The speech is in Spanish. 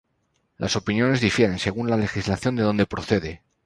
Las opiniones difieren, según la legislación de donde procede.